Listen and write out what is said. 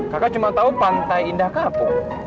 kakak cuma tahu pantai indah kapu